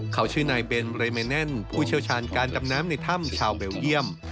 เขาชื่อนายเบนเรเมแนนผู้เชี่ยวชาญการดำน้ำในถ้ำชาวเบลเยี่ยม